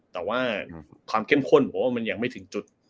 แต่ความเข้มข้นยังไม่ถึงจุด